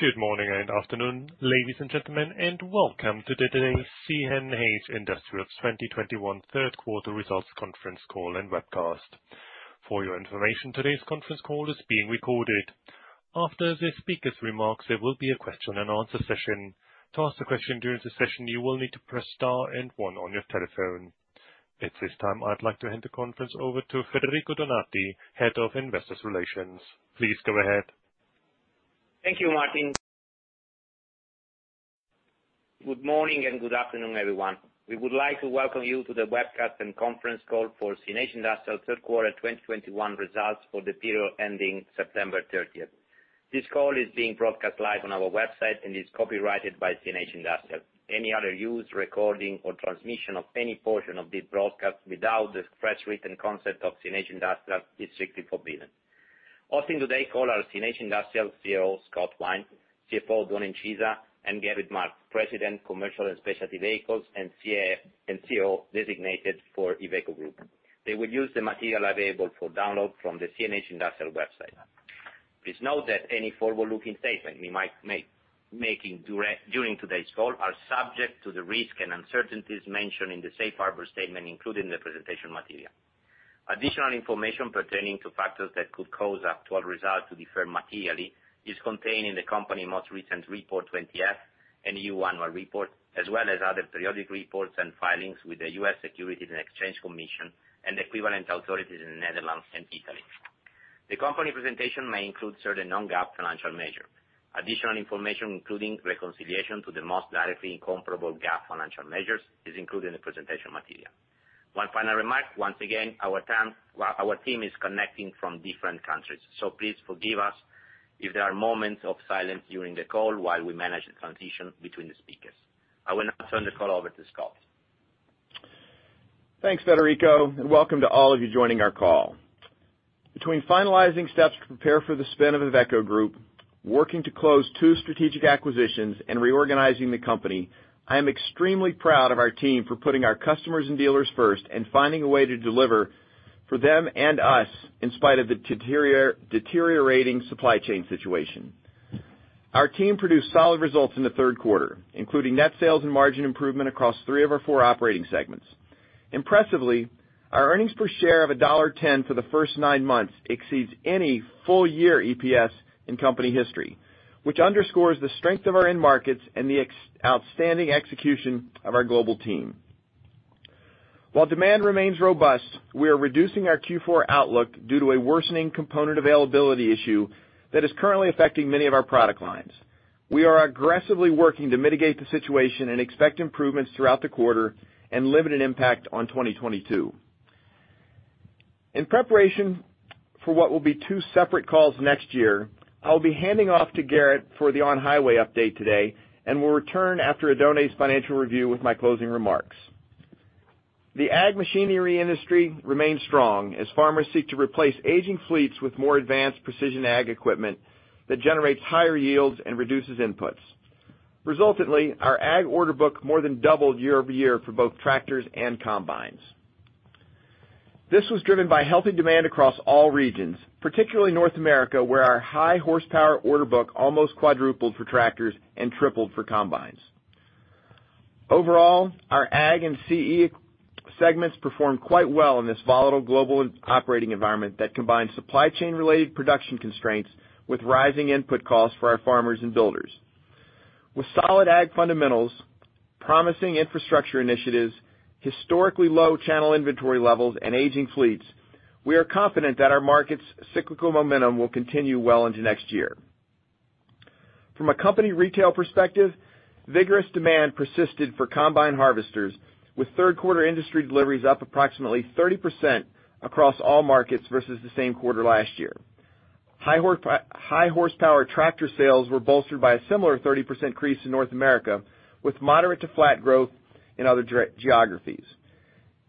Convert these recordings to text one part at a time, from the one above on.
Good morning and afternoon, ladies and gentlemen, and welcome to today's CNH Industrial's 2021 third quarter results conference call and webcast. For your information, today's conference call is being recorded. After the speaker's remarks, there will be a question-and-answer session. To ask a question during the session, you will need to press star and one on your telephone. At this time, I'd like to hand the conference over to Federico Donati, Head of Investor Relations. Please go ahead. Thank you, Martin. Good morning and good afternoon, everyone. We would like to welcome you to the webcast and conference call for CNH Industrial Q3 2021 results for the period ending September 30th. This call is being broadcast live on our website and is copyrighted by CNH Industrial. Any other use, recording, or transmission of any portion of this broadcast without the express written consent of CNH Industrial is strictly forbidden. Hosting today's call are CNH Industrial CEO Scott Wine, CFO Oddone Incisa, and Gerrit Marx, President, Commercial and Specialty Vehicles and CEO-Designated for IVECO Group. They will use the material available for download from the CNH Industrial website. Please note that any forward-looking statement we might make during today's call are subject to the risk and uncertainties mentioned in the safe harbor statement included in the presentation material. Additional information pertaining to factors that could cause actual results to differ materially is contained in the company's most recent 20-F annual report, as well as other periodic reports and filings with the U.S. Securities and Exchange Commission and equivalent authorities in the Netherlands and Italy. The company presentation may include certain non-GAAP financial measures. Additional information, including reconciliation to the most directly comparable GAAP financial measures, is included in the presentation material. One final remark. Once again, our team is connecting from different countries, so please forgive us if there are moments of silence during the call while we manage the transition between the speakers. I will now turn the call over to Scott. Thanks, Federico, and welcome to all of you joining our call. Between finalizing steps to prepare for the spin of the IVECO Group, working to close two strategic acquisitions, and reorganizing the company, I am extremely proud of our team for putting our customers and dealers first and finding a way to deliver for them and us in spite of the deteriorating supply chain situation. Our team produced solid results in the third quarter, including net sales and margin improvement across three of our four operating segments. Impressively, our earnings per share of $1.10 for the first nine months exceeds any full year EPS in company history, which underscores the strength of our end markets and the outstanding execution of our global team. While demand remains robust, we are reducing our Q4 outlook due to a worsening component availability issue that is currently affecting many of our product lines. We are aggressively working to mitigate the situation and expect improvements throughout the quarter and limited impact on 2022. In preparation for what will be two separate calls next year, I'll be handing off to Gerrit for the on-highway update today and will return after Oddone's financial review with my closing remarks. The Ag machinery industry remains strong as farmers seek to replace aging fleets with more advanced precision ag equipment that generates higher yields and reduces inputs. Resultantly, our Ag order book more than doubled year-over-year for both tractors and combines. This was driven by healthy demand across all regions, particularly North America, where our high horsepower order book almost quadrupled for tractors and tripled for combines. Overall, our ag and CE segments performed quite well in this volatile global operating environment that combines supply chain related production constraints with rising input costs for our farmers and builders. With solid Ag fundamentals, promising infrastructure initiatives, historically low channel inventory levels, and aging fleets, we are confident that our market's cyclical momentum will continue well into next year. From a company retail perspective, vigorous demand persisted for combine harvesters, with third quarter industry deliveries up approximately 30% across all markets versus the same quarter last year. High horsepower tractor sales were bolstered by a similar 30% increase in North America, with moderate to flat growth in other geographies.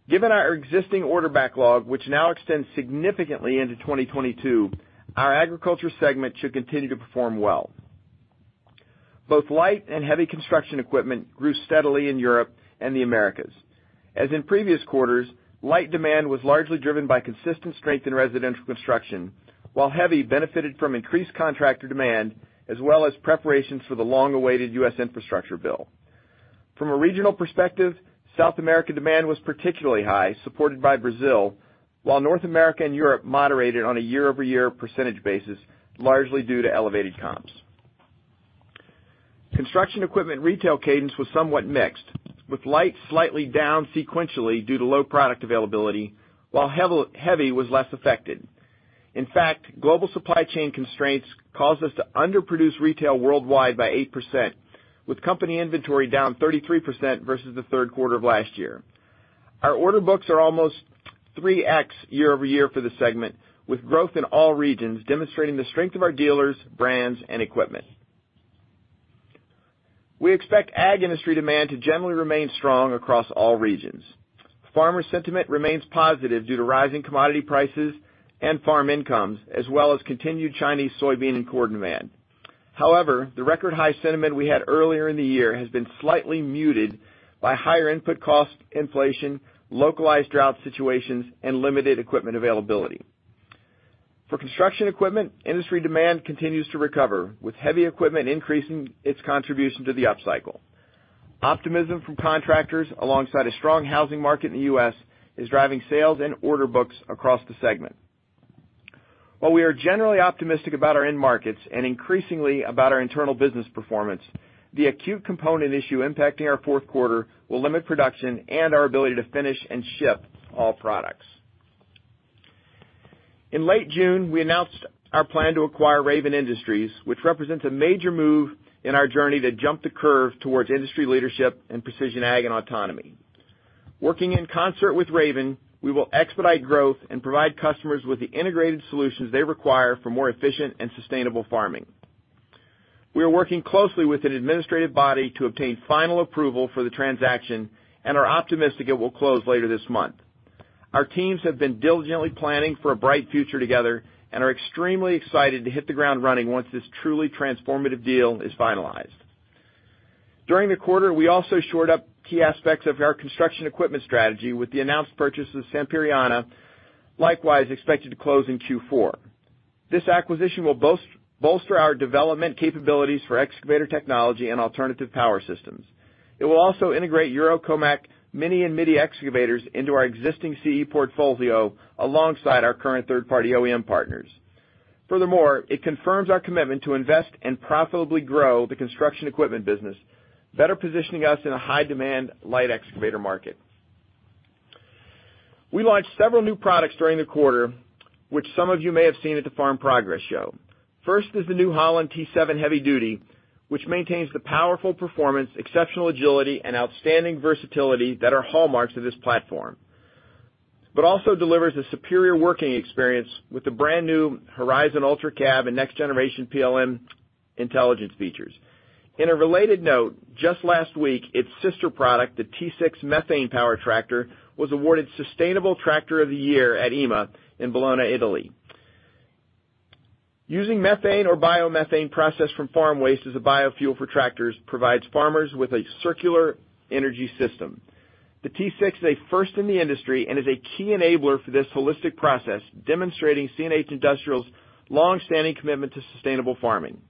Given our existing order backlog, which now extends significantly into 2022, our agriculture segment should continue to perform well. Both light and heavy construction equipment grew steadily in Europe and the Americas. As in previous quarters, light demand was largely driven by consistent strength in residential construction, while heavy benefited from increased contractor demand as well as preparations for the long-awaited U.S. infrastructure bill. From a regional perspective, South American demand was particularly high, supported by Brazil, while North America and Europe moderated on a year-over-year percentage basis, largely due to elevated comps. Construction equipment retail cadence was somewhat mixed, with light slightly down sequentially due to low product availability, while heavy was less affected. In fact, global supply chain constraints caused us to underproduce retail worldwide by 8%, with company inventory down 33% versus the third quarter of last year. Our order books are almost 3x year-over-year for the segment, with growth in all regions demonstrating the strength of our dealers, brands and equipment. We expect ag industry demand to generally remain strong across all regions. Farmer sentiment remains positive due to rising commodity prices and farm incomes, as well as continued Chinese soybean and corn demand. However, the record high sentiment we had earlier in the year has been slightly muted by higher input cost inflation, localized drought situations and limited equipment availability. For construction equipment, industry demand continues to recover with heavy equipment increasing its contribution to the up cycle. Optimism from contractors alongside a strong housing market in the U.S. is driving sales and order books across the segment. While we are generally optimistic about our end markets and increasingly about our internal business performance, the acute component issue impacting our fourth quarter will limit production and our ability to finish and ship all products. In late June, we announced our plan to acquire Raven Industries, which represents a major move in our journey to jump the curve towards industry leadership in precision Ag and autonomy. Working in concert with Raven, we will expedite growth and provide customers with the integrated solutions they require for more efficient and sustainable farming. We are working closely with an administrative body to obtain final approval for the transaction and are optimistic it will close later this month. Our teams have been diligently planning for a bright future together and are extremely excited to hit the ground running once this truly transformative deal is finalized. During the quarter, we also shored up key aspects of our construction equipment strategy with the announced purchase of Sampierana, likewise expected to close in Q4. This acquisition will bolster our development capabilities for excavator technology and alternative power systems. It will also integrate Eurocomach mini and midi excavators into our existing CE portfolio alongside our current third-party OEM partners. Furthermore, it confirms our commitment to invest and profitably grow the construction equipment business, better positioning us in a high-demand light excavator market. We launched several new products during the quarter, which some of you may have seen at the Farm Progress Show. First is the New Holland T7 Heavy Duty, which maintains the powerful performance, exceptional agility, and outstanding versatility that are hallmarks of this platform. It also delivers a superior working experience with the brand-new Horizon Ultra Cab and next generation PLM intelligence features. In a related note, just last week, its sister product, the T6 Methane Power Tractor, was awarded Sustainable Tractor of the Year at EIMA in Bologna, Italy. Using methane or biomethane processed from farm waste as a biofuel for tractors provides farmers with a circular energy system. The T6 is a first in the industry and is a key enabler for this holistic process, demonstrating CNH Industrial's long-standing commitment to sustainable farming.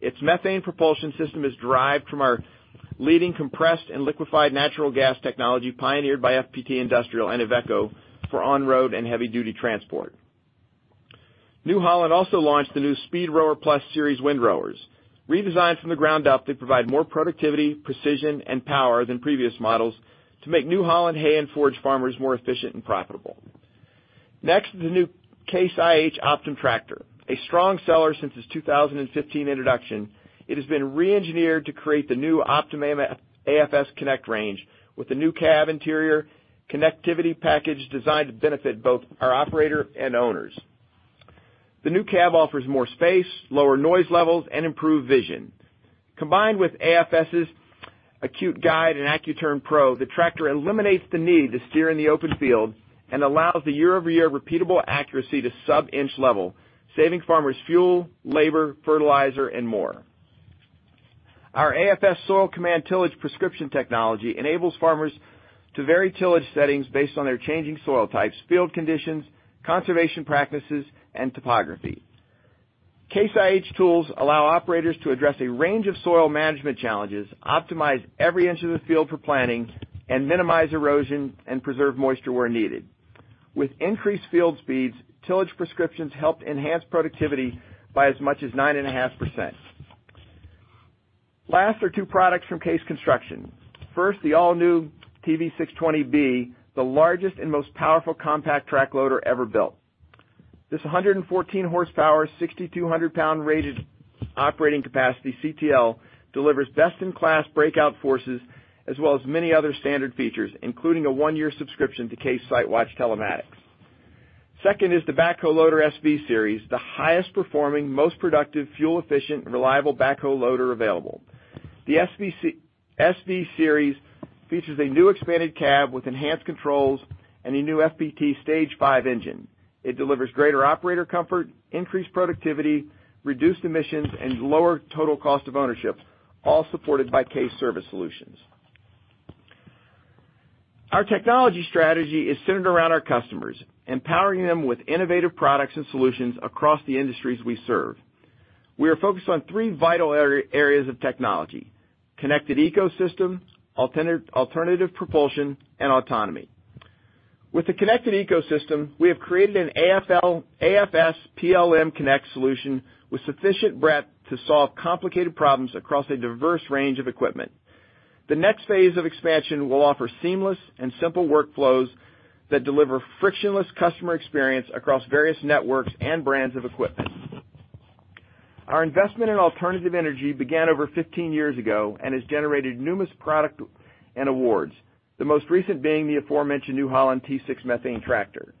Its methane propulsion system is derived from our leading compressed and liquefied natural gas technology pioneered by FPT Industrial and IVECO for on-road and heavy-duty transport. New Holland also launched the new Speedrower PLUS Series windrowers. Redesigned from the ground up to provide more productivity, precision, and power than previous models to make New Holland hay and forage farmers more efficient and profitable. Next, the new Case IH Optum Tractor, a strong seller since its 2015 introduction. It has been reengineered to create the new Optum AFS Connect range with a new cab interior connectivity package designed to benefit both our operator and owners. The new cab offers more space, lower noise levels, and improved vision. Combined with AFS' AccuGuide and AccuTurn Pro, the tractor eliminates the need to steer in the open field and allows the year-over-year repeatable accuracy to sub-inch level, saving farmers fuel, labor, fertilizer, and more. Our AFS Soil Command Tillage Prescription technology enables farmers to vary tillage settings based on their changing soil types, field conditions, conservation practices, and topography. Case IH tools allow operators to address a range of soil management challenges, optimize every inch of the field for planning, and minimize erosion and preserve moisture where needed. With increased field speeds, tillage prescriptions help enhance productivity by as much as 9.5%. Last are two products from CASE Construction. First, the all-new TV620B, the largest and most powerful compact track loader ever built. This 114-horsepower, 6,200-pound rated operating capacity CTL delivers best-in-class breakout forces as well as many other standard features, including a one-year subscription to CASE SiteWatch Telematics. Second is the Backhoe Loader SV Series, the highest performing, most productive, fuel-efficient, reliable backhoe loader available. The SV Series features a new expanded cab with enhanced controls and a new FPT Stage V engine. It delivers greater operator comfort, increased productivity, reduced emissions, and lower total cost of ownership, all supported by CASE Service Solutions. Our technology strategy is centered around our customers, empowering them with innovative products and solutions across the industries we serve. We are focused on three vital areas of technology, connected ecosystem, alternative propulsion, and autonomy. With the connected ecosystem, we have created an AFS PLM Connect solution with sufficient breadth to solve complicated problems across a diverse range of equipment. The next phase of expansion will offer seamless and simple workflows that deliver frictionless customer experience across various networks and brands of equipment. Our investment in alternative energy began over 15 years ago and has generated numerous products and awards, the most recent being the aforementioned New Holland T6 Methane Tractor.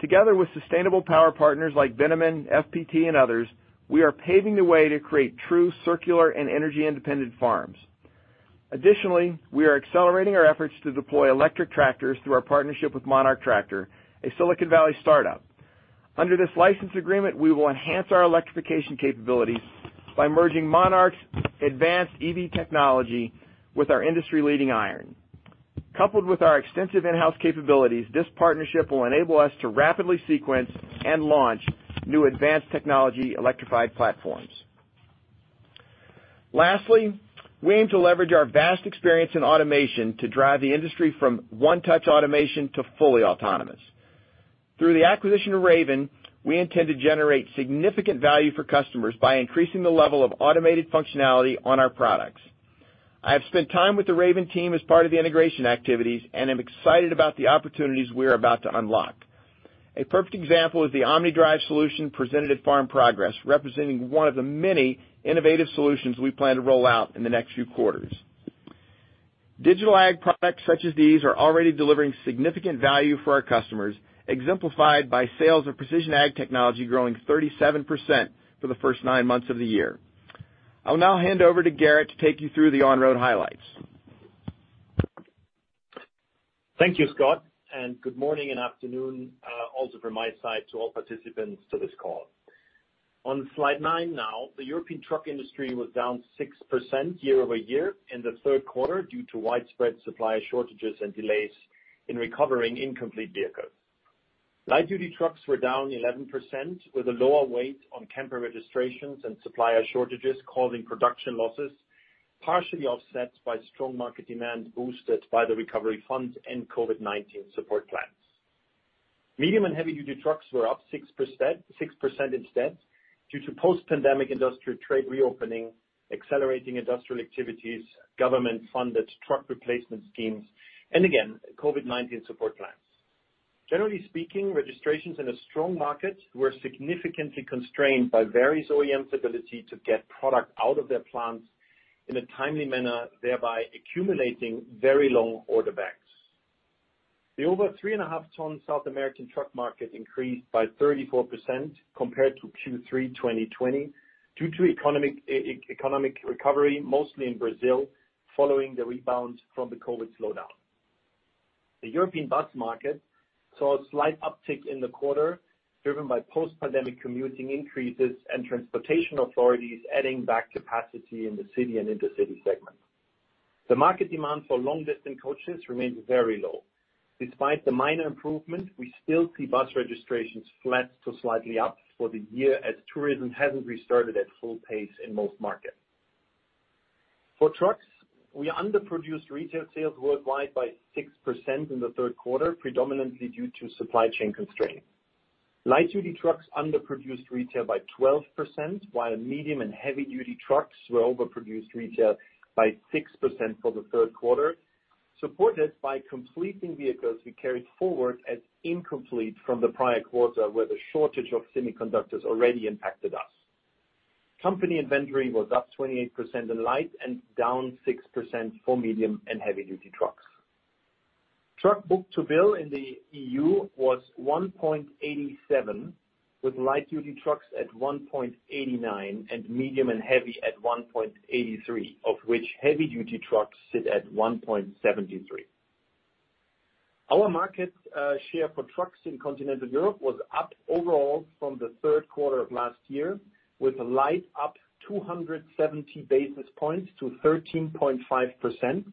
Together with sustainable power partners like Bennamann, FPT, and others, we are paving the way to create true circular and energy independent farms. Additionally, we are accelerating our efforts to deploy electric tractors through our partnership with Monarch Tractor, a Silicon Valley startup. Under this license agreement, we will enhance our electrification capabilities by merging Monarch's advanced EV technology with our industry-leading iron. Coupled with our extensive in-house capabilities, this partnership will enable us to rapidly sequence and launch new advanced technology electrified platforms. Lastly, we aim to leverage our vast experience in automation to drive the industry from one-touch automation to fully autonomous. Through the acquisition of Raven, we intend to generate significant value for customers by increasing the level of automated functionality on our products. I have spent time with the Raven team as part of the integration activities, and I'm excited about the opportunities we are about to unlock. A perfect example is the OMNiDRIVE solution presented at Farm Progress, representing one of the many innovative solutions we plan to roll out in the next few quarters. Digital ag products such as these are already delivering significant value for our customers, exemplified by sales of precision ag technology growing 37% for the first 9 months of the year. I'll now hand over to Gerrit to take you through the on-road highlights. Thank you, Scott, and good morning and afternoon also from my side to all participants to this call. On Slide nine now, the European truck industry was down 6% year-over-year in the third quarter due to widespread supply shortages and delays in recovering incomplete vehicles. Light-duty trucks were down 11%, with a lower weight on camper registrations and supplier shortages causing production losses, partially offset by strong market demand boosted by the recovery funds and COVID-19 support plans. Medium and heavy-duty trucks were up 6% instead, due to post-pandemic industrial trade reopening, accelerating industrial activities, government-funded truck replacement schemes, and again, COVID-19 support plans. Generally speaking, registrations in a strong market were significantly constrained by various OEMs' ability to get product out of their plants in a timely manner, thereby accumulating very long order banks. The over 3.5-ton South American truck market increased by 34% compared to Q3 2020 due to economic recovery, mostly in Brazil, following the rebound from the COVID slowdown. The European bus market saw a slight uptick in the quarter, driven by post-pandemic commuting increases and transportation authorities adding back capacity in the city and intercity segment. The market demand for long-distance coaches remains very low. Despite the minor improvement, we still see bus registrations flat to slightly up for the year as tourism hasn't restarted at full pace in most markets. For trucks, we underproduced retail sales worldwide by 6% in the third quarter, predominantly due to supply chain constraints. Light-duty trucks underproduced retail by 12%, while medium and heavy-duty trucks were overproduced retail by 6% for the third quarter, supported by completing vehicles we carried forward as incomplete from the prior quarter, where the shortage of semiconductors already impacted us. Company inventory was up 28% in light and down 6% for medium and heavy-duty trucks. Truck book-to-bill in the EU was 1.87, with light-duty trucks at 1.89 and medium and heavy at 1.83, of which heavy-duty trucks sit at 1.73. Our market share for trucks in Continental Europe was up overall from the third quarter of last year, with light up 270 basis points to 13.5%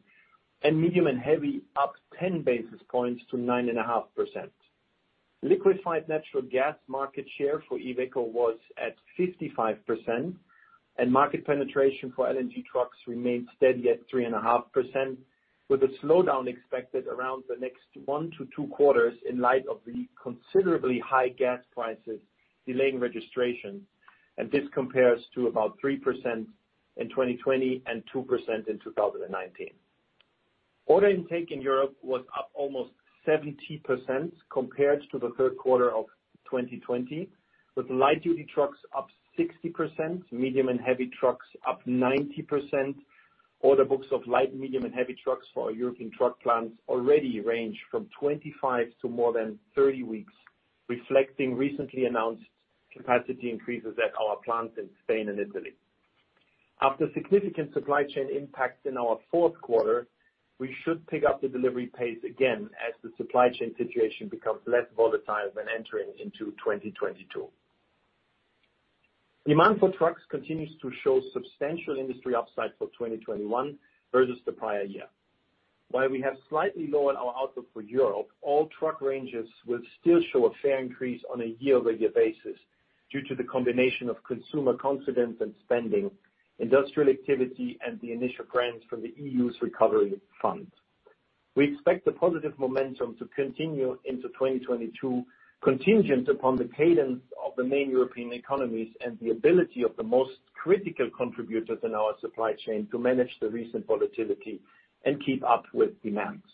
and medium and heavy up 10 basis points to 9.5%. Liquefied natural gas market share for IVECO was at 55%, and market penetration for LNG trucks remained steady at 3.5%, with a slowdown expected around the next one-two quarters in light of the considerably high gas prices delaying registration. This compares to about 3% in 2020 and 2% in 2019. Order intake in Europe was up almost 70% compared to the third quarter of 2020, with light-duty trucks up 60%, medium and heavy trucks up 90%. Order books of light, medium, and heavy trucks for our European truck plants already range from 25 to more than 30 weeks, reflecting recently announced capacity increases at our plants in Spain and Italy. After significant supply chain impacts in our fourth quarter, we should pick up the delivery pace again as the supply chain situation becomes less volatile when entering into 2022. Demand for trucks continues to show substantial industry upside for 2021 versus the prior year. While we have slightly lowered our outlook for Europe, all truck ranges will still show a fair increase on a year-over-year basis due to the combination of consumer confidence and spending, industrial activity, and the initial grants from the EU's recovery fund. We expect the positive momentum to continue into 2022, contingent upon the cadence of the main European economies and the ability of the most critical contributors in our supply chain to manage the recent volatility and keep up with demands.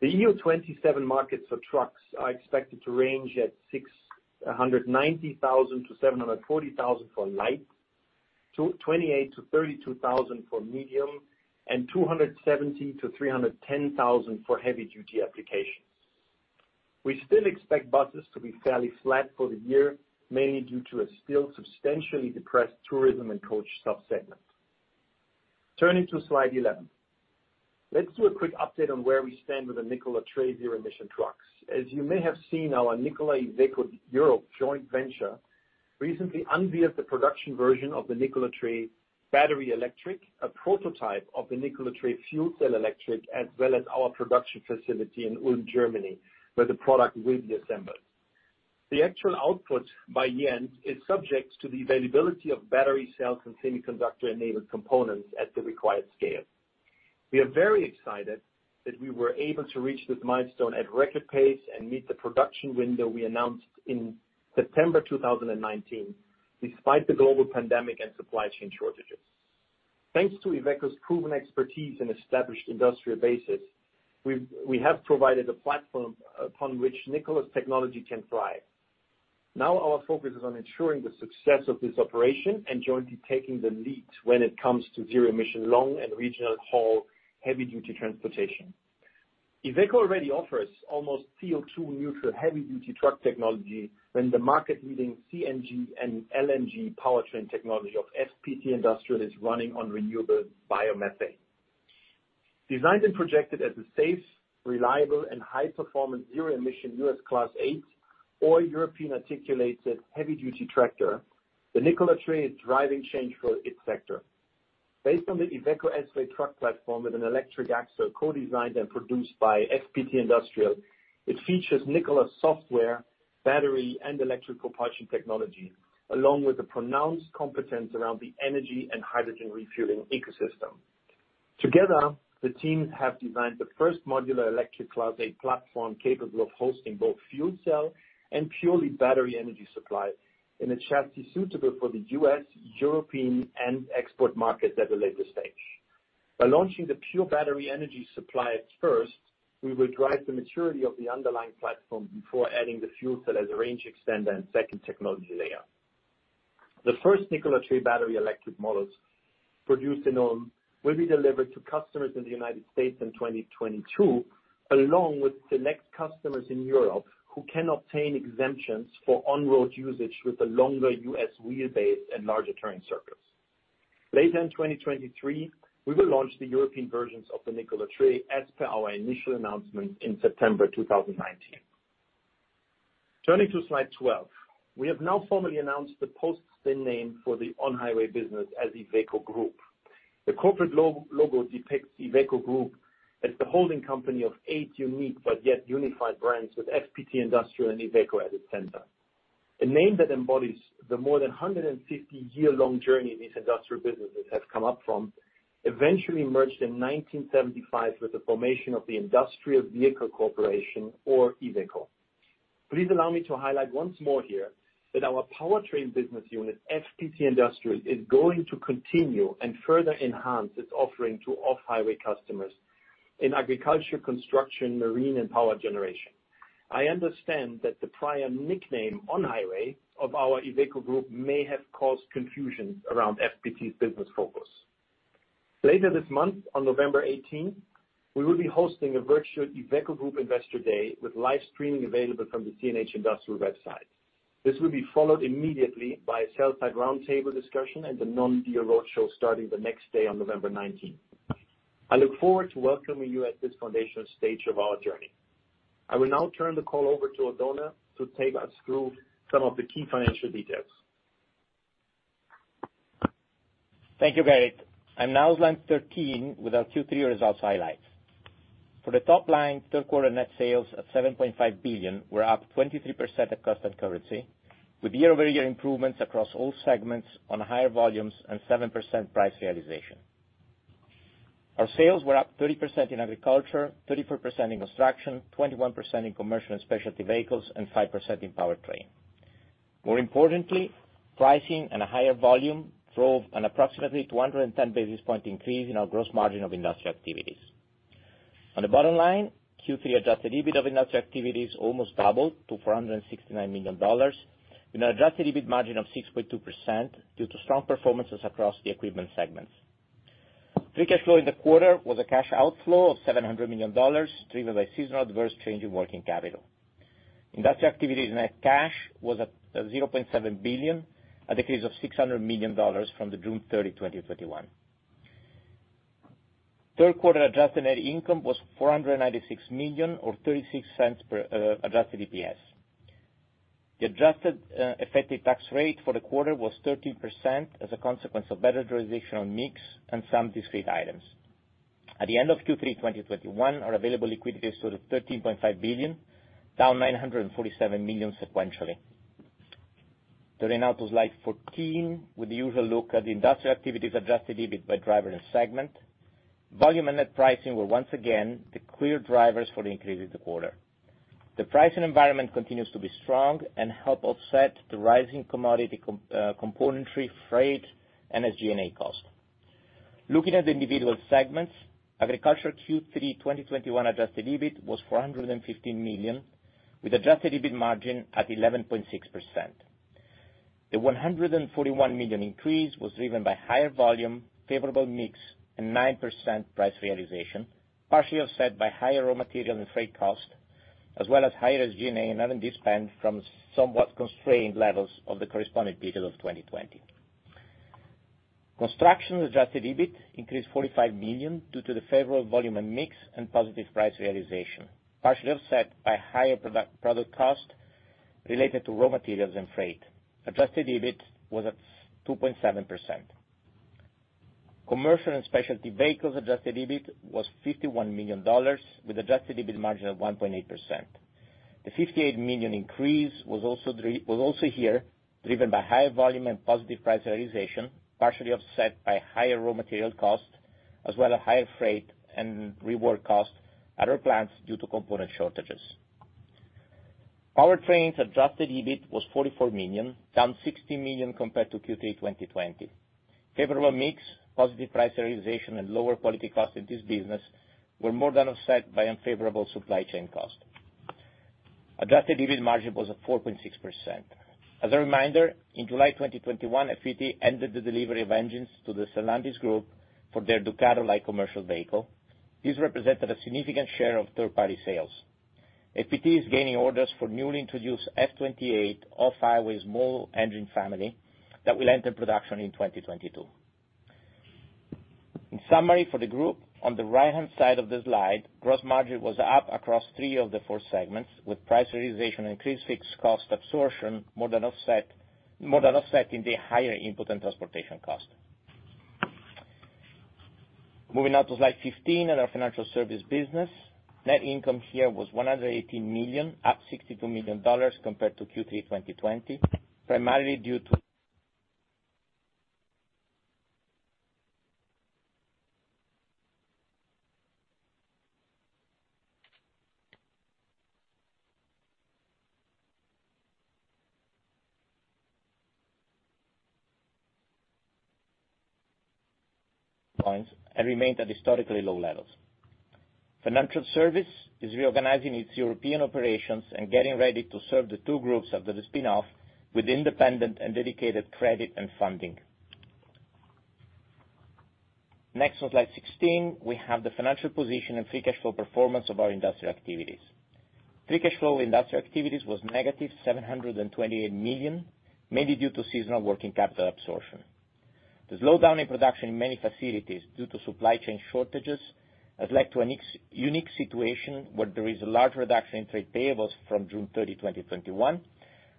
The EU 27 markets for trucks are expected to range at 690,000-740,000 for light, 28,000-32,000 for medium, and 270,000-310,000 for heavy-duty applications. We still expect buses to be fairly flat for the year, mainly due to a still substantially depressed tourism and coach sub-segment. Turning to Slide 11. Let's do a quick update on where we stand with the Nikola Tre zero-emission trucks. As you may have seen, our Nikola Iveco Europe joint venture recently unveiled the production version of the Nikola Tre battery electric, a prototype of the Nikola Tre fuel cell electric, as well as our production facility in Ulm, Germany, where the product will be assembled. The actual output by the end is subject to the availability of battery cells and semiconductor-enabled components at the required scale. We are very excited that we were able to reach this milestone at record pace and meet the production window we announced in September 2019, despite the global pandemic and supply chain shortages. Thanks to IVECO's proven expertise and established industrial bases, we have provided a platform upon which Nikola's technology can thrive. Now our focus is on ensuring the success of this operation and jointly taking the lead when it comes to zero-emission long and regional haul heavy-duty transportation. IVECO already offers almost CO2 neutral heavy-duty truck technology when the market-leading CNG and LNG powertrain technology of FPT Industrial is running on renewable biomethane. Designed and projected as a safe, reliable, and high-performance zero-emission U.S. Class 8 or European articulated heavy-duty tractor, the Nikola Tre is driving change for its sector. Based on the IVECO S-WAY truck platform with an electric axle co-designed and produced by FPT Industrial, it features Nikola software, battery, and electrical powertrain technology, along with a pronounced competence around the energy and hydrogen refueling ecosystem. Together, the teams have designed the first modular electric Class A platform capable of hosting both fuel cell and purely battery energy supply in a chassis suitable for the U.S., European, and export markets at a later stage. By launching the pure battery energy supply at first, we will drive the maturity of the underlying platform before adding the fuel cell as a range extender and second technology layer. The first Nikola Tre battery electric models produced in Ulm will be delivered to customers in the United States in 2022, along with select customers in Europe who can obtain exemptions for on-road usage with the longer U.S. wheelbase and larger turning circles. Later in 2023, we will launch the European versions of the Nikola Tre as per our initial announcement in September 2019. Turning to slide 12. We have now formally announced the post-spin name for the on-highway business as IVECO Group. The corporate logo depicts IVECO Group as the holding company of eight unique but yet unified brands, with FPT Industrial and IVECO at its center. A name that embodies the more than 150-year-long journey these industrial businesses have come up from, eventually merged in 1975 with the formation of the Industrial Vehicles Corporation, or IVECO. Please allow me to highlight once more here that our powertrain business unit, FPT Industrial, is going to continue and further enhance its offering to off-highway customers in agriculture, construction, marine, and power generation. I understand that the prior nickname, on-highway, of our IVECO Group may have caused confusion around FPT's business focus. Later this month, on November 18th, we will be hosting a virtual IVECO Group Investor Day with live streaming available from the CNH Industrial website. This will be followed immediately by a sell-side roundtable discussion and the non-deal roadshow starting the next day on November 19th. I look forward to welcoming you at this foundational stage of our journey. I will now turn the call over to Oddone Incisa to take us through some of the key financial details. Thank you, Gerrit. I'm now on slide 13 with our Q3 results highlights. For the top line, third quarter net sales of $7.5 billion were up 23% at constant currency, with year-over-year improvements across all segments on higher volumes and 7% price realization. Our sales were up 30% in agriculture, 34% in construction, 21% in commercial and specialty vehicles, and 5% in powertrain. More importantly, pricing and a higher volume drove an approximately 210 basis point increase in our gross margin of industrial activities. On the bottom line, Q3 adjusted EBIT of industrial activities almost doubled to $469 million in an adjusted EBIT margin of 6.2% due to strong performances across the equipment segments. Free cash flow in the quarter was a cash outflow of $700 million, driven by seasonal adverse change in working capital. Industrial activities net cash was at $0.7 billion, a decrease of $600 million from June 30, 2021. Third quarter adjusted net income was $496 million or 36 cents per adjusted EPS. The adjusted effective tax rate for the quarter was 13% as a consequence of better realization on mix and some discrete items. At the end of Q3 2021, our available liquidity stood at $13.5 billion, down $947 million sequentially. Turning now to slide 14, with the usual look at the industrial activities adjusted EBIT by driver and segment. Volume and net pricing were once again the clear drivers for the increase in the quarter. The pricing environment continues to be strong and helps offset the rising commodity components, freight, and SG&A costs. Looking at the individual segments, Agriculture Q3 2021 adjusted EBIT was $450 million, with adjusted EBIT margin at 11.6%. The $141 million increase was driven by higher volume, favorable mix, and 9% price realization, partially offset by higher raw material and freight costs, as well as higher SG&A and R&D spend from somewhat constrained levels of the corresponding period of 2020. Construction adjusted EBIT increased $45 million due to the favorable volume and mix and positive price realization, partially offset by higher product cost related to raw materials and freight. Adjusted EBIT was at 2.7%. Commercial and Specialty Vehicles adjusted EBIT was $51 million with adjusted EBIT margin of 1.8%. The $58 million increase was also driven by higher volume and positive price realization, partially offset by higher raw material costs, as well as higher freight and rework costs at our plants due to component shortages. Powertrains adjusted EBIT was $44 million, down $60 million compared to Q3 2020. Favorable mix, positive price realization and lower quality costs in this business were more than offset by unfavorable supply chain costs. Adjusted EBIT margin was 4.6%. As a reminder, in July 2021, FPT ended the delivery of engines to the Stellantis group for their Ducato light commercial vehicle. This represented a significant share of third-party sales. FPT is gaining orders for newly introduced F28 off-highway small engine family that will enter production in 2022. In summary for the group on the right-hand side of the slide, gross margin was up across three of the four segments, with price realization and increased fixed cost absorption more than offsetting the higher input and transportation costs. Moving on to slide 15 and our Financial Services business. Net income here was $180 million, up $62 million compared to Q3 2020, primarily due to and remained at historically low levels. Financial Services is reorganizing its European operations and getting ready to serve the two groups after the spin-off with independent and dedicated credit and funding. Next on slide 16, we have the financial position and free cash flow performance of our industrial activities. Free cash flow industrial activities was negative $728 million, mainly due to seasonal working capital absorption. The slowdown in production in many facilities due to supply chain shortages has led to a unique situation where there is a large reduction in trade payables from June 30, 2021,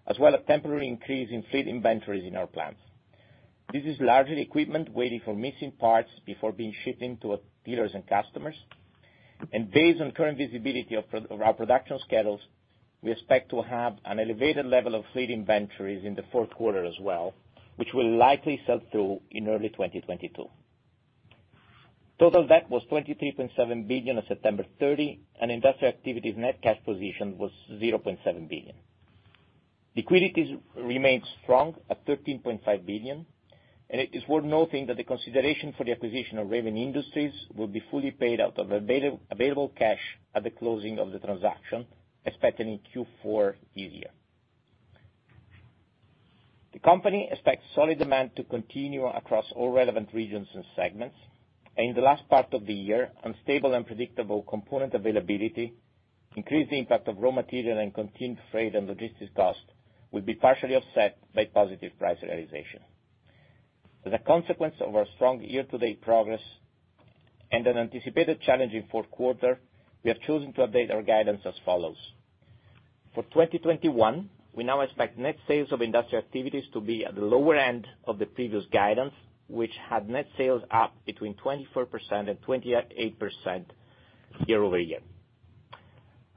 as well as a temporary increase in fleet inventories in our plants. This is largely equipment waiting for missing parts before being shipped into dealers and customers. Based on current visibility of our production schedules, we expect to have an elevated level of fleet inventories in the fourth quarter as well, which will likely sell through in early 2022. Total debt was $23.7 billion on September 30, and industrial activities net cash position was $0.7 billion. Liquidity remains strong at $13.5 billion, and it is worth noting that the consideration for the acquisition of Raven Industries will be fully paid out of available cash at the closing of the transaction, expected in Q4 this year. The company expects solid demand to continue across all relevant regions and segments. In the last part of the year, unstable and unpredictable component availability, increased impact of raw materials and continued freight and logistics costs will be partially offset by positive price realization. As a consequence of our strong year-to-date progress and an anticipated challenging fourth quarter, we have chosen to update our guidance as follows. For 2021, we now expect net sales of industrial activities to be at the lower end of the previous guidance, which had net sales up between 24% and 28% year-over-year.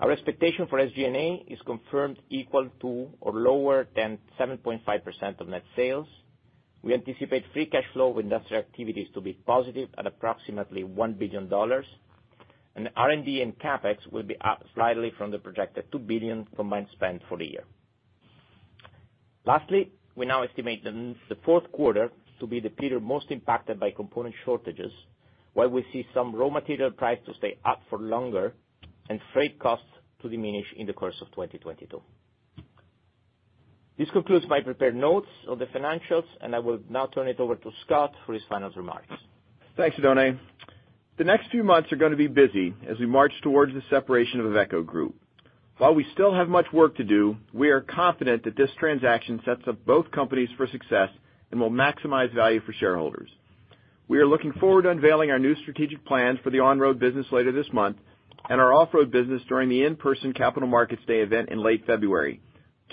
Our expectation for SG&A is confirmed equal to or lower than 7.5% of net sales. We anticipate free cash flow of industrial activities to be positive at approximately $1 billion, and R&D and CapEx will be up slightly from the projected $2 billion combined spend for the year. Lastly, we now estimate the fourth quarter to be the period most impacted by component shortages, while we see some raw material price to stay up for longer and freight costs to diminish in the course of 2022. This concludes my prepared notes on the financials, and I will now turn it over to Scott for his final remarks. Thanks, Oddone. The next few months are gonna be busy as we march towards the separation of IVECO Group. While we still have much work to do, we are confident that this transaction sets up both companies for success and will maximize value for shareholders. We are looking forward to unveiling our new strategic plans for the on-road business later this month and our off-road business during the in-person Capital Markets Day event in late February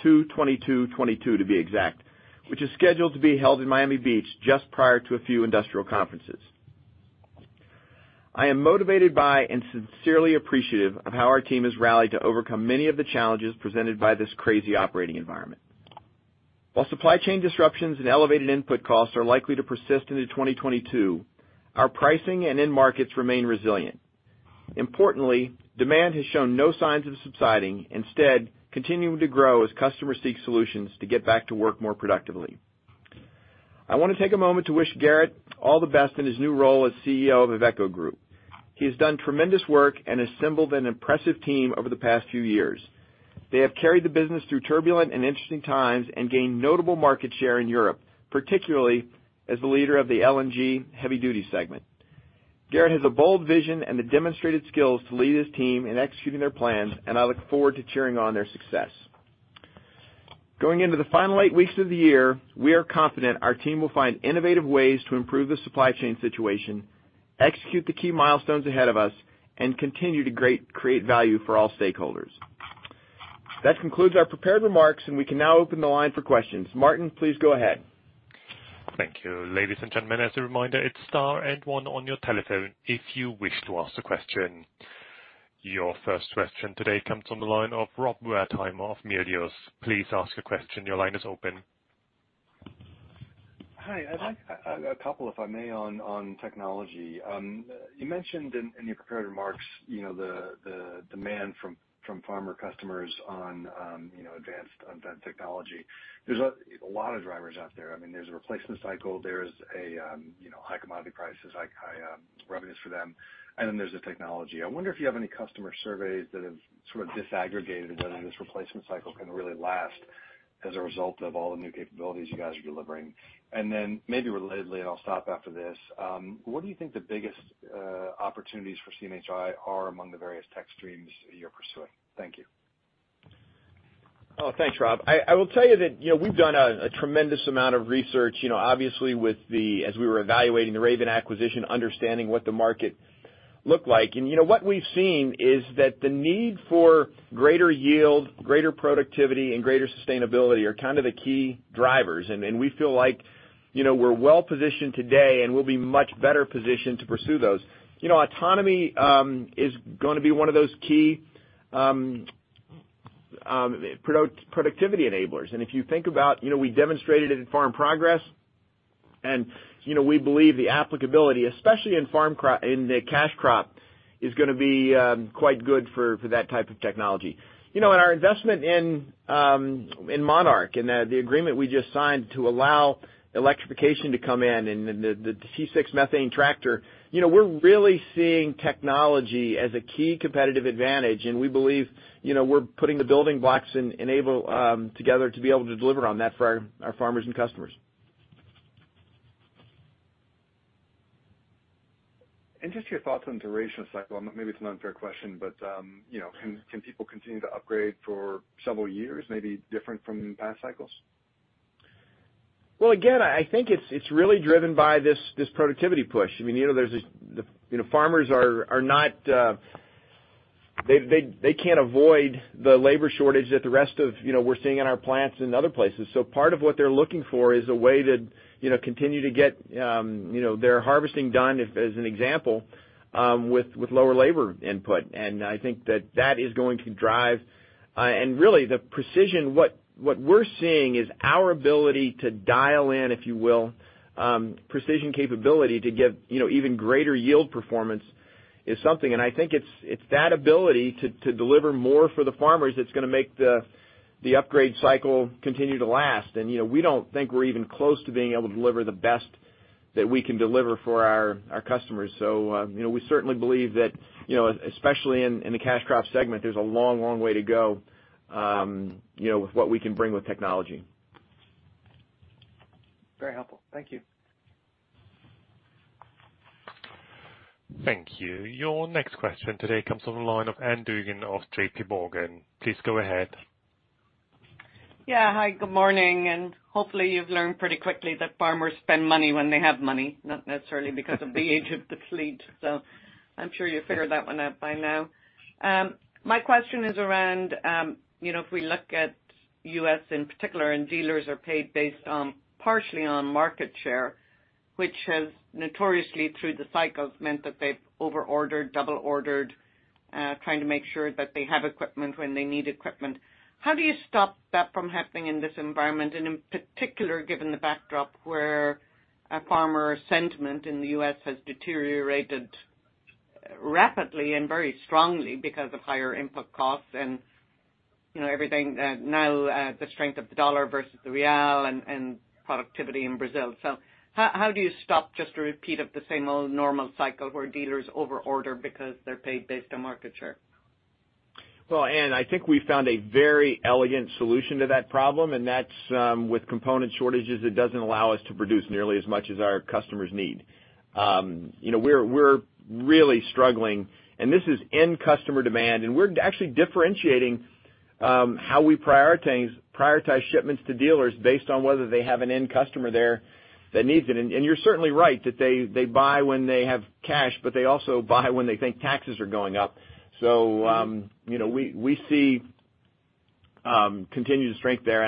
2022 to be exact, which is scheduled to be held in Miami Beach just prior to a few industrial conferences. I am motivated by and sincerely appreciative of how our team has rallied to overcome many of the challenges presented by this crazy operating environment. While supply chain disruptions and elevated input costs are likely to persist into 2022, our pricing and end markets remain resilient. Importantly, demand has shown no signs of subsiding, instead continuing to grow as customers seek solutions to get back to work more productively. I wanna take a moment to wish Gerrit all the best in his new role as CEO of IVECO Group. He has done tremendous work and assembled an impressive team over the past few years. They have carried the business through turbulent and interesting times and gained notable market share in Europe, particularly as the leader of the LNG heavy duty segment. Gerrit has a bold vision and the demonstrated skills to lead his team in executing their plans, and I look forward to cheering on their success. Going into the final eight weeks of the year, we are confident our team will find innovative ways to improve the supply chain situation, execute the key milestones ahead of us, and continue to create great value for all stakeholders. That concludes our prepared remarks, and we can now open the line for questions. Martino, please go ahead. Thank you. Ladies and gentlemen, as a reminder, it's star and one on your telephone if you wish to ask a question. Your first question today comes on the line of Rob Wertheimer of Melius. Please ask a question. Your line is open. Hi. I'd like a couple, if I may, on technology. You mentioned in your prepared remarks, you know, the demand from farmer customers on, you know, advanced technology. There's a lot of drivers out there. I mean, there's a replacement cycle. There's high commodity prices, high revenues for them, and then there's the technology. I wonder if you have any customer surveys that have sort of disaggregated whether this replacement cycle can really last as a result of all the new capabilities you guys are delivering. Then maybe relatedly, and I'll stop after this, what do you think the biggest opportunities for CNH Industrial are among the various tech streams you're pursuing? Thank you. Oh, thanks, Rob. I will tell you that, you know, we've done a tremendous amount of research, you know, obviously as we were evaluating the Raven acquisition, understanding what the market looked like. You know what we've seen is that the need for greater yield, greater productivity, and greater sustainability are kind of the key drivers. We feel like, you know, we're well positioned today, and we'll be much better positioned to pursue those. You know, autonomy is gonna be one of those key productivity enablers. If you think about, you know, we demonstrated it in Farm Progress. You know, we believe the applicability, especially in the cash crop, is gonna be quite good for that type of technology. You know, our investment in Monarch and the agreement we just signed to allow electrification to come in and the T6 Methane Power, you know, we're really seeing technology as a key competitive advantage, and we believe, you know, we're putting the building blocks in together to be able to deliver on that for our farmers and customers. Just your thoughts on duration of cycle. Maybe it's an unfair question, but, you know, can people continue to upgrade for several years, maybe different from past cycles? Well, again, I think it's really driven by this productivity push. I mean, you know, there's the, you know, farmers are not, they can't avoid the labor shortage that the rest of, you know, we're seeing in our plants and other places. So, part of what they're looking for is a way to, you know, continue to get, you know, their harvesting done, for example, with lower labor input. I think that is going to drive, and really the precision, what we're seeing is our ability to dial in, if you will, precision capability to give, you know, even greater yield performance is something. I think it's that ability to deliver more for the farmers that's gonna make the upgrade cycle continue to last. You know, we don't think we're even close to being able to deliver the best that we can deliver for our customers. You know, we certainly believe that, you know, especially in the cash crop segment, there's a long way to go, you know, with what we can bring with technology. Very helpful. Thank you. Thank you. Your next question today comes on the line of Ann Duignan of JPMorgan. Please go ahead. Yeah. Hi, good morning, and hopefully you've learned pretty quickly that farmers spend money when they have money, not necessarily because of the age of the fleet. I'm sure you figured that one out by now. My question is around, you know, if we look at U.S. in particular and dealers are paid based on, partially on market share, which has notoriously through the cycles meant that they've over-ordered, double-ordered, trying to make sure that they have equipment when they need equipment. How do you stop that from happening in this environment and in particular given the backdrop where a farmer sentiment in the U.S. has deteriorated rapidly and very strongly because of higher input costs and, you know, everything, now, the strength of the dollar versus the real and productivity in Brazil. How do you stop just a repeat of the same old normal cycle where dealers overorder because they're paid based on market share? Well, Ann, I think we found a very elegant solution to that problem, and that's with component shortages. It doesn't allow us to produce nearly as much as our customers need. You know, we're really struggling, and this is end customer demand, and we're actually differentiating how we prioritize shipments to dealers based on whether they have an end customer there that needs it. You're certainly right that they buy when they have cash, but they also buy when they think taxes are going up. You know, we see continued strength there.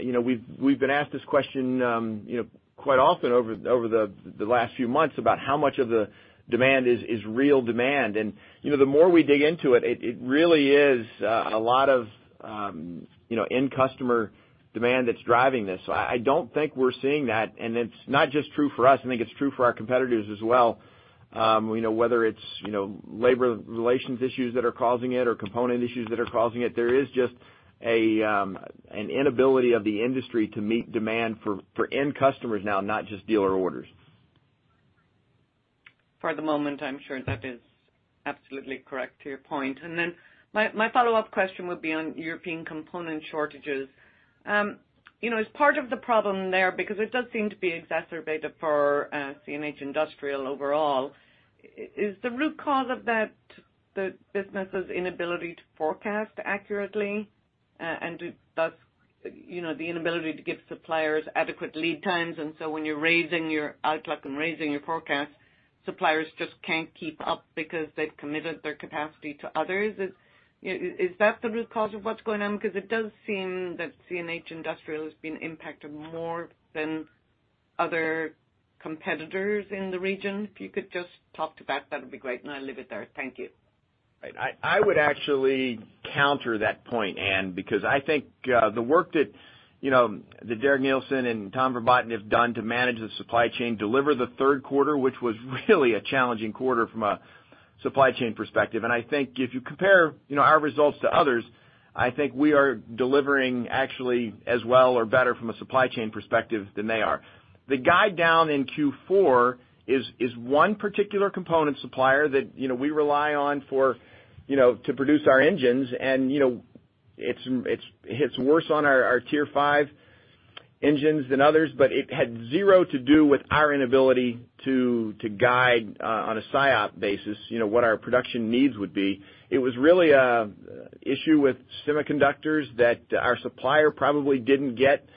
You know, we've been asked this question you know quite often over the last few months about how much of the demand is real demand. You know the more we dig into it really is a lot of you know, end customer demand that's driving this. I don't think we're seeing that, and it's not just true for us. I think it's true for our competitors as well. You know, whether it's you know, labor relations issues that are causing it or component issues that are causing it, there is just an inability of the industry to meet demand for end customers now, not just dealer orders. For the moment, I'm sure that is absolutely correct to your point. My follow-up question would be on European component shortages. You know, is part of the problem there, because it does seem to be exacerbated for CNH Industrial overall, is the root cause of that the business' inability to forecast accurately, and thus, you know, the inability to give suppliers adequate lead times, and so when you're raising your outlook and raising your forecast, suppliers just can't keep up because they've committed their capacity to others? You know, is that the root cause of what's going on? Because it does seem that CNH Industrial has been impacted more than other competitors in the region. If you could just talk to that'd be great, and I'll leave it there. Thank you. I would actually counter that point, Ann, because I think the work that, you know, that Derek Neilson and Tom Verbaeten have done to manage the supply chain, deliver the third quarter, which was really a challenging quarter from a supply chain perspective. I think if you compare, you know, our results to others, I think we are delivering actually as well or better from a supply chain perspective than they are. The guide down in Q4 is one particular component supplier that, you know, we rely on for, you know, to produce our engines and, you know, it hits worse on our Tier 5 engines than others, but it had zero to do with our inability to guide on a SIOP basis, you know, what our production needs would be. It was really an issue with semiconductors that our supplier probably didn't get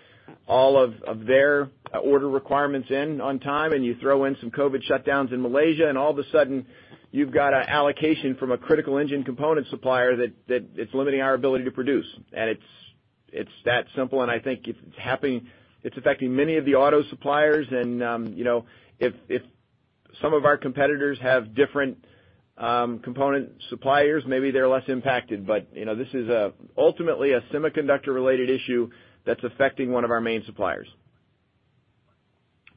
all of their order requirements in on time, and you throw in some COVID shutdowns in Malaysia, and all of a sudden, you've got an allocation from a critical engine component supplier that it's limiting our ability to produce. It's that simple, and I think it's happening, affecting many of the auto suppliers and, you know, if some of our competitors have different, component suppliers, maybe they're less impacted. You know, this is ultimately a semiconductor related issue that's affecting one of our main suppliers.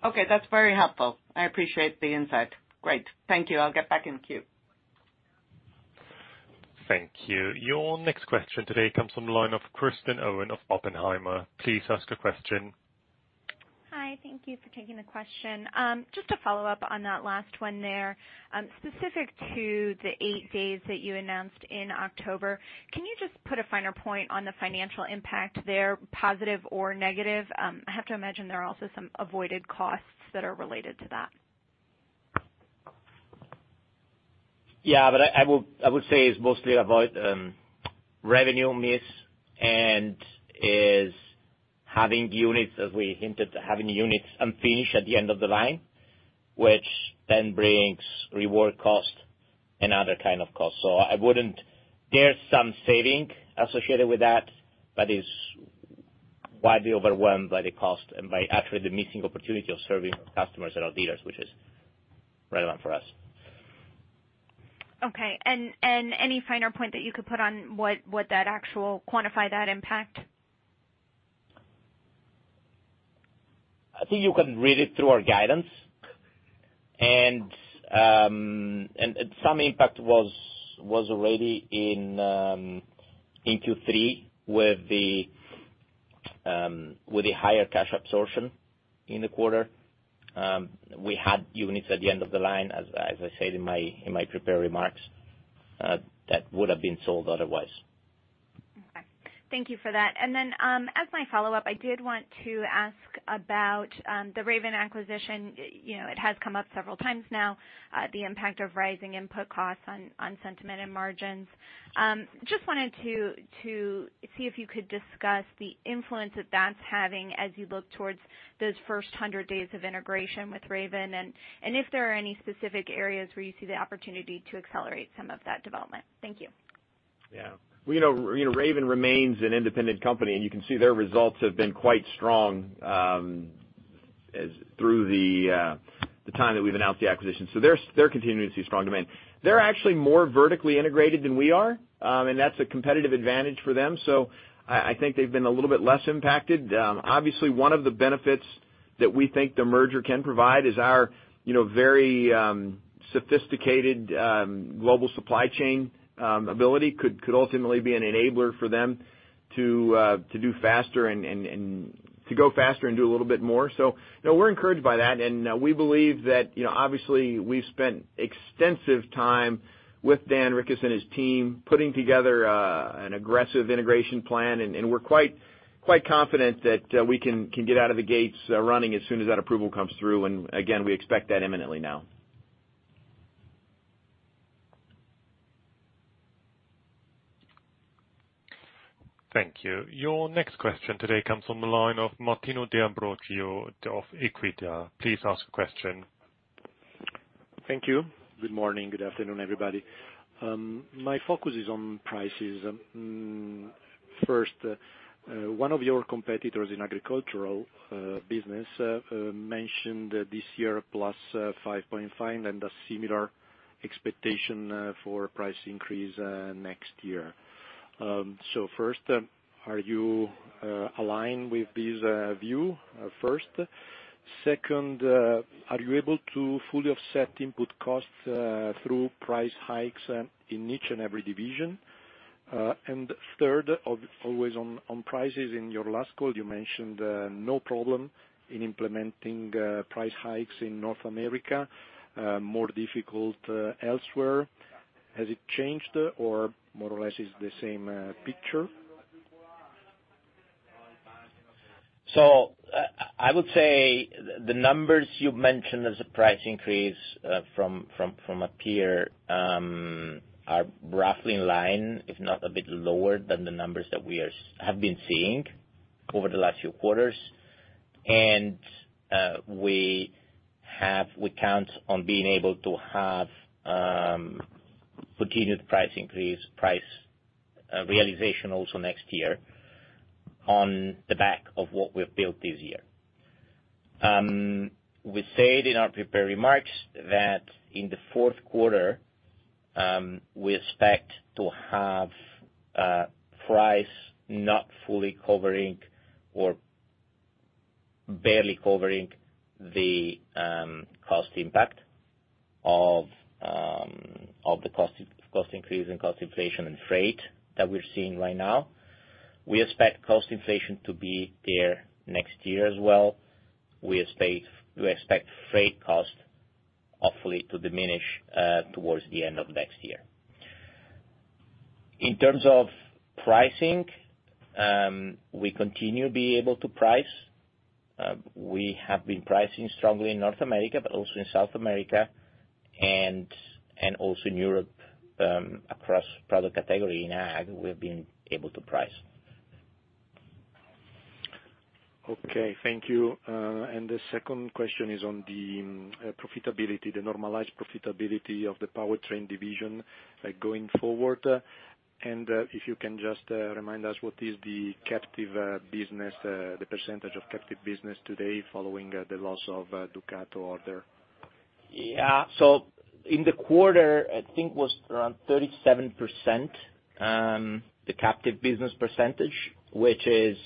Okay. That's very helpful. I appreciate the insight. Great. Thank you. I'll get back in queue. Thank you. Your next question today comes from the line of Kristen Owen of Oppenheimer. Please ask a question. Hi. Thank you for taking the question. Just to follow up on that last one there, specific to the 8 days that you announced in October, can you just put a finer point on the financial impact there, positive or negative? I have to imagine there are also some avoided costs that are related to that. I would say it's mostly avoiding a revenue miss and having the units, as we hinted, unfinished at the end of the line, which then brings rework costs and other kinds of costs. There are some savings associated with that, but they are far outweighed by the costs and by actually the missed opportunity of serving our customers and our dealers, which is relevant for us. Okay. Any finer point that you could put on what would that actually quantify that impact? I think you can read it through our guidance. Some impact was already in Q3 with the higher cash absorption in the quarter. We had units at the end of the line, as I said in my prepared remarks, that would have been sold otherwise. Okay. Thank you for that. As my follow-up, I did want to ask about the Raven acquisition. You know, it has come up several times now, the impact of rising input costs on sentiment and margins. Just wanted to see if you could discuss the influence that that's having as you look towards those first 100 days of integration with Raven, and if there are any specific areas where you see the opportunity to accelerate some of that development. Thank you. Yeah. Well, you know, Raven remains an independent company, and you can see their results have been quite strong, up through the time that we've announced the acquisition, so they're continuing to see strong demand. They're actually more vertically integrated than we are, and that's a competitive advantage for them. So, I think they've been a little bit less impacted. Obviously one of the benefits that we think the merger can provide is our, you know, very sophisticated global supply chain ability could ultimately be an enabler for them to do faster and to go faster and do a little bit more. So, you know, we're encouraged by that. We believe that, you know, obviously we've spent extensive time with Dan Rykhus and his team putting together an aggressive integration plan. We're quite confident that we can get out of the gates running as soon as that approval comes through. We expect that imminently now. Thank you. Your next question today comes from the line of Martino De Ambroggi of Equita. Please ask a question. Thank you. Good morning, good afternoon, everybody. My focus is on prices. First, one of your competitors in agricultural business mentioned this year plus 5.5% and a similar expectation for price increase next year. First, are you aligned with this view? Second, are you able to fully offset input costs through price hikes in each and every division? Third, always on prices, in your last call, you mentioned no problem in implementing price hikes in North America, more difficult elsewhere. Has it changed or more or less it's the same picture? I would say the numbers you've mentioned as a price increase from a peer are roughly in line, if not a bit lower than the numbers that we have been seeing over the last few quarters. We count on being able to have continued price realization also next year on the back of what we've built this year. We said in our prepared remarks that in the fourth quarter we expect to have price not fully covering or barely covering the cost impact of the cost increase and cost inflation and freight that we're seeing right now. We expect cost inflation to be there next year as well. We expect freight costs hopefully to diminish towards the end of next year. In terms of pricing, we continue to be able to price. We have been pricing strongly in North America, but also in South America and also in Europe, across product category. In AG, we've been able to price. Okay. Thank you. The second question is on the profitability, the normalized profitability of the powertrain division, like, going forward. If you can just remind us what is the captive business, the percentage of captive business today following the loss of Ducato order? Yeah. In the quarter, I think it was around 37%, the captive business percentage, which is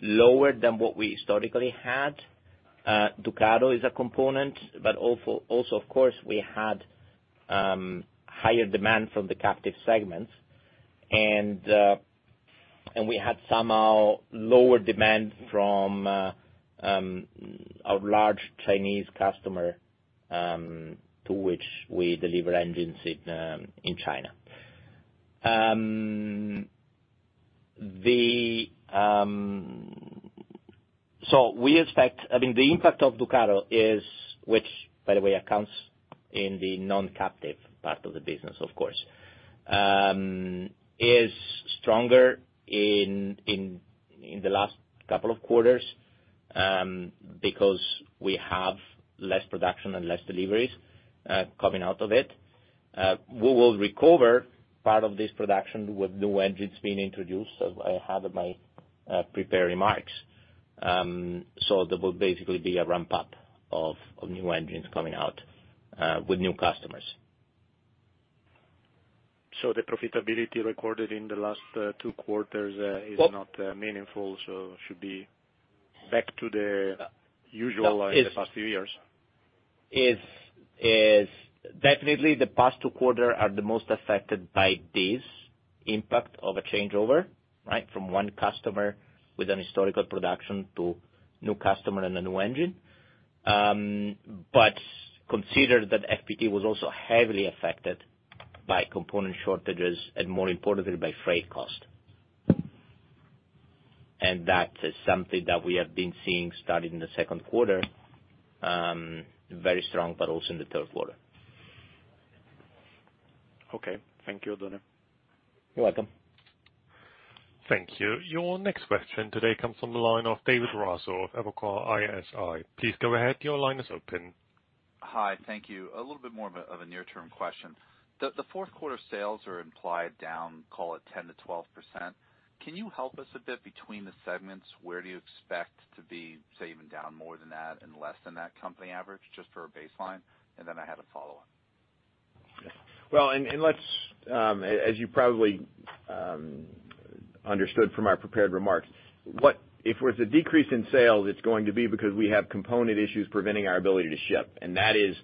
lower than what we historically had. Ducato is a component, but also of course, we had higher demand from the captive segments, and we had somehow lower demand from a large Chinese customer to which we deliver engines in China. We expect, I mean, the impact of Ducato, which by the way is in the non-captive part of the business, of course, is stronger in the last couple of quarters, because we have less production and less deliveries coming out of it. We will recover part of this production with new engines being introduced, as I have in my prepared remarks. There will basically be a ramp-up of new engines coming out with new customers. The profitability recorded in the last two quarters is not meaningful, so it should be back to the usual like the past few years. It is definitely the past two quarters that are the most affected by this impact of a changeover, right? From one customer with an historical production to new customer and a new engine. But consider that FPT was also heavily affected by component shortages and more importantly by freight cost. That is something that we have been seeing starting in the second quarter, very strong, but also in the third quarter. Okay. Thank you, Donnie. You're welcome. Thank you. Your next question today comes from the line of David Raso of Evercore ISI. Please go ahead. Your line is open. Hi. Thank you. A little bit more of a near-term question. The fourth quarter sales are implied down, call it 10%-12%. Can you help us a bit between the segments? Where do you expect to be, say, even down more than that and less than that company average, just for a baseline? Then I had a follow-up. As you probably understood from our prepared remarks, if there's a decrease in sales, it's going to be because we have component issues preventing our ability to ship. That is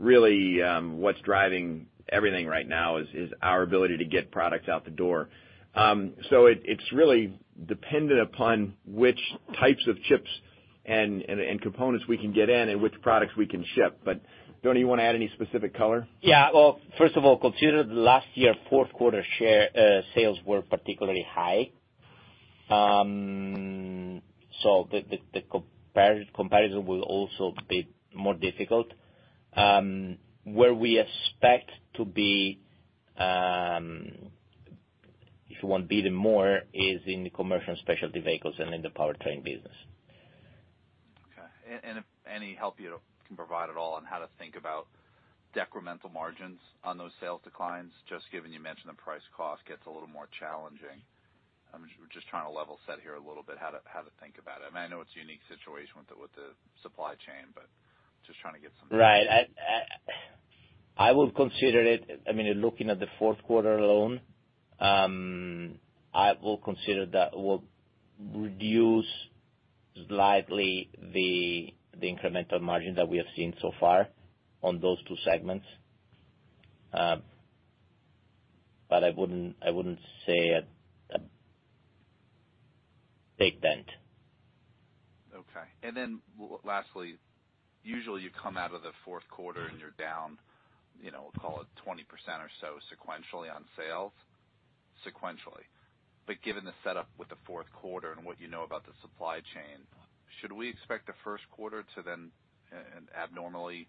really what's driving everything right now is our ability to get products out the door. It's really dependent upon which types of chips and components we can get in and which products we can ship. Oddone, you wanna add any specific color? Yeah. Well, first of all, consider last year, fourth quarter share sales were particularly high. The comparison will also be more difficult. Where we expect to be, if you want to beat it more, is in the Commercial and Specialty Vehicles and in the powertrain business. Okay. If any help you can provide at all on how to think about decremental margins on those sales declines, just given you mentioned the price cost gets a little more challenging. I'm just trying to level set here a little bit how to think about it. I mean, I know it's a unique situation with the supply chain, but just trying to get some- Right. I would consider it. I mean, looking at the fourth quarter alone, I will consider that will reduce slightly the incremental margin that we have seen so far on those two segments. But I wouldn't say a dr- Big Bend. Okay. Lastly, usually you come out of the fourth quarter and you're down, you know, call it 20% or so sequentially on sales, sequentially. Given the setup with the fourth quarter and what you know about the supply chain, should we expect the first quarter to then abnormally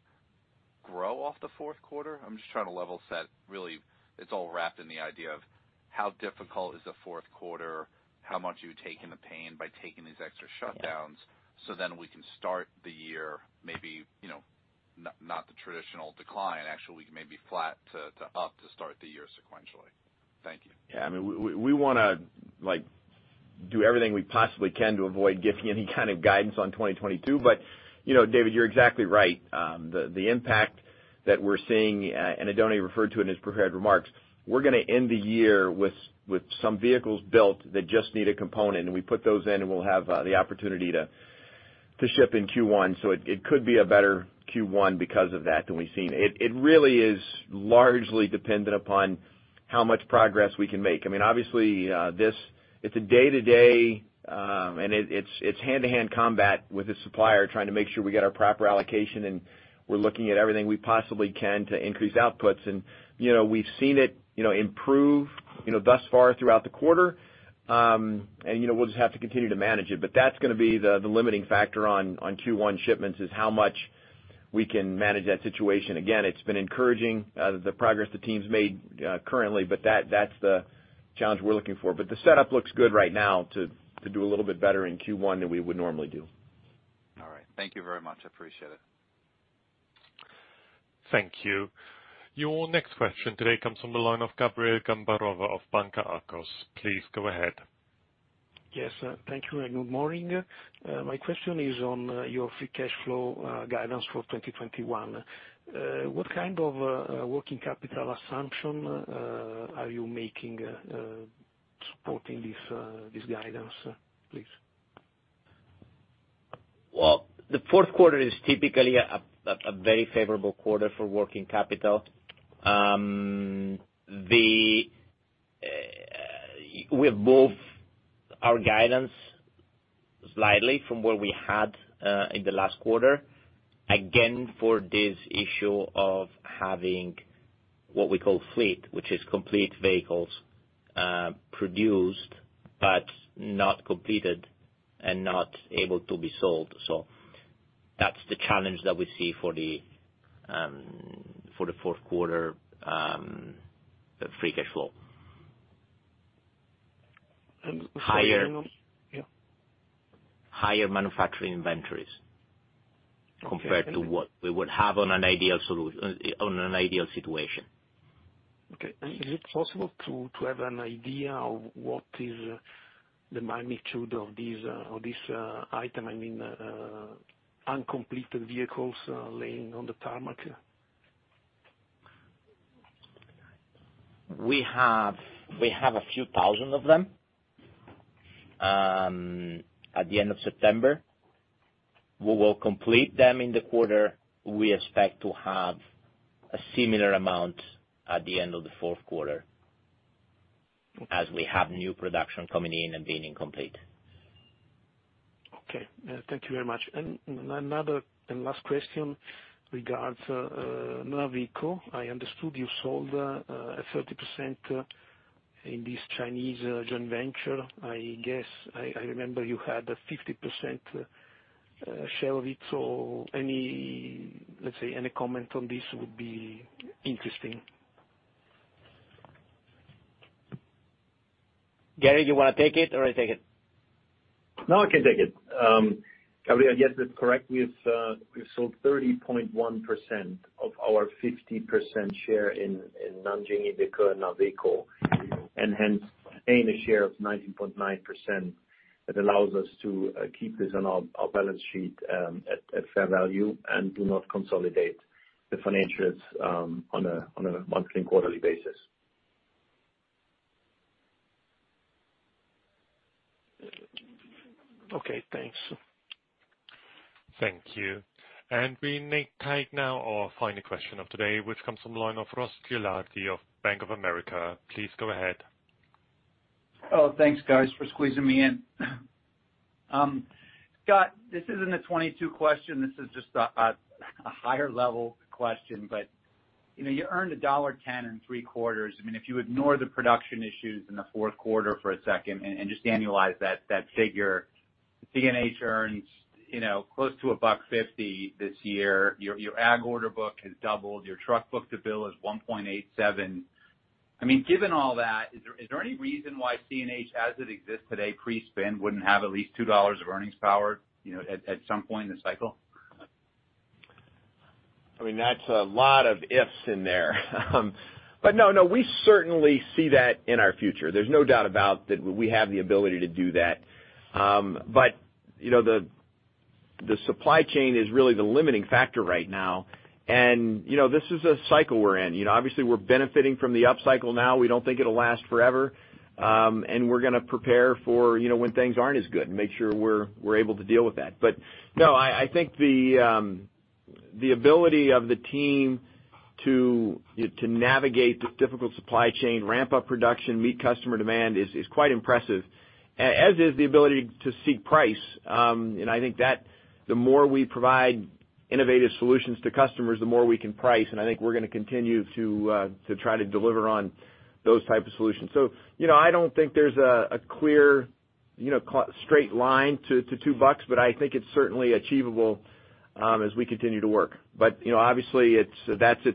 grow off the fourth quarter? I'm just trying to level set. Really, it's all wrapped in the idea of how difficult is the fourth quarter, how much are you taking the pain by taking these extra shutdowns, so then we can start the year, maybe, you know, not the traditional decline, actually maybe flat to up to start the year sequentially. Thank you. Yeah. I mean, we wanna, like, do everything we possibly can to avoid giving any kind of guidance on 2022. You know, David, you're exactly right. The impact that we're seeing, and Oddone referred to it in his prepared remarks, we're gonna end the year with some vehicles built that just need a component, and we put those in, and we'll have the opportunity to ship in Q1. It could be a better Q1 because of that than we've seen. It really is largely dependent upon how much progress we can make. I mean, obviously, this is a day-to-day, and it's hand-to-hand combat with the supplier, trying to make sure we get our proper allocation, and we're looking at everything we possibly can to increase outputs. You know, we've seen it, you know, improve, you know, thus far throughout the quarter. You know, we'll just have to continue to manage it. That's gonna be the limiting factor on Q1 shipments is how much we can manage that situation. Again, it's been encouraging, the progress the team's made, currently, but that's the challenge we're looking for. The setup looks good right now to do a little bit better in Q1 than we would normally do. All right. Thank you very much. I appreciate it. Thank you. Your next question today comes from the line of Gabriele Gambarova of Banca Akros. Please go ahead. Yes. Thank you and good morning. My question is on your free cash flow guidance for 2021. What kind of working capital assumption are you making supporting this guidance, please? Well, the fourth quarter is typically a very favorable quarter for working capital. We have moved our guidance slightly from where we had in the last quarter, again, for this issue of having what we call fleet, which is complete vehicles produced but not completed and not able to be sold. That's the challenge that we see for the fourth quarter, free cash flow. Sorry to interrupt. Yeah. Higher manufacturing inventories. Okay. Thank you. Compared to what we would have on an ideal situation. Okay. Is it possible to have an idea of what is the magnitude of this item, I mean, uncompleted vehicles laying on the tarmac? We have a few thousand of them at the end of September. We will complete them in the quarter. We expect to have a similar amount at the end of the fourth quarter as we have new production coming in and being incomplete. Okay. Thank you very much. Another and last question regards NAVECO. I understood you sold 30% in this Chinese joint venture. I guess I remember you had a 50% share of it. Any, let's say, any comment on this would be interesting. Gerrit, you wanna take it or I take it? No, I can take it. Gabriele, yes, that's correct. We've sold 30.1% of our 50% share in Nanjing IVECO Motor Co., Naveco, and hence retaining a share of 19.9% that allows us to keep this on our balance sheet at fair value and do not consolidate the financials on a monthly and quarterly basis. Okay, thanks. Thank you. We take now our final question of today, which comes from the line of Ross Gilardi of Bank of America. Please go ahead. Oh, thanks, guys, for squeezing me in. Scott, this isn't a 2022 question. This is just a higher-level question. You know, you earned $1.10 in three quarters. I mean, if you ignore the production issues in the fourth quarter for a second and just annualize that figure, CNH earns, you know, close to $1.50 this year. Your ag order book has doubled. Your truck book-to-bill is 1.87. I mean, given all that, is there any reason why CNH, as it exists today pre-spin, wouldn't have at least $2 of earnings power, you know, at some point in the cycle? I mean, that's a lot of ifs in there. But no, we certainly see that in our future. There's no doubt about that we have the ability to do that. But, you know, the supply chain is really the limiting factor right now. You know, this is a cycle we're in. You know, obviously, we're benefiting from the upcycle now. We don't think it'll last forever. We're gonna prepare for, you know, when things aren't as good and make sure we're able to deal with that. But no, I think the ability of the team to navigate the difficult supply chain, ramp up production, meet customer demand is quite impressive, as is the ability to seek price. I think that the more we provide innovative solutions to customers, the more we can price, and I think we're gonna continue to try to deliver on those type of solutions. You know, I don't think there's a clear, you know, straight line to $2, but I think it's certainly achievable as we continue to work. You know, obviously, that's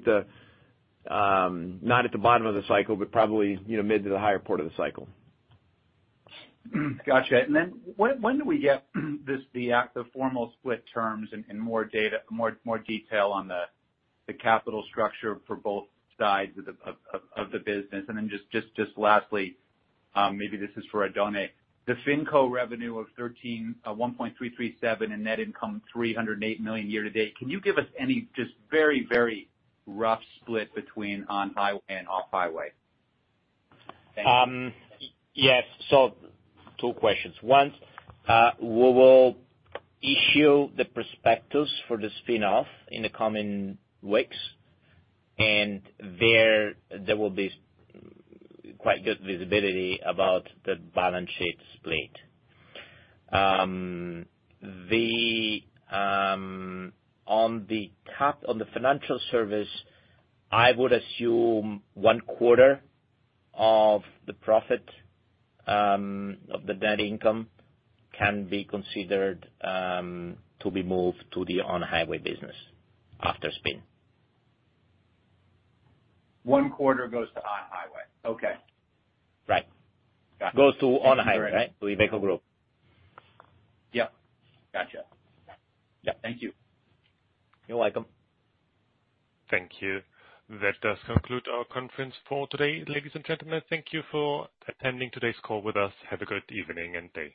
not at the bottom of the cycle, but probably, you know, mid to the higher part of the cycle. Gotcha. When do we get the formal split terms and more data, more detail on the capital structure for both sides of the business? Lastly, maybe this is for Oddone. The FinCo revenue of 1.337 billion and net income of 308 million year to date. Can you give us any very rough split between on-highway and off-highway? Yes. Two questions. One, we will issue the prospectus for the spin-off in the coming weeks, and there will be quite good visibility about the balance sheet split. On the financial service, I would assume one quarter of the profit of the net income can be considered to be moved to the on-highway business after spin. One quarter goes to on-highway. Okay. Right. Got it. Goes to on-highway, right? To IVECO Group. Yep. Gotcha. Yeah. Thank you. You're welcome. Thank you. That does conclude our conference for today. Ladies and gentlemen, thank you for attending today's call with us. Have a good evening and day.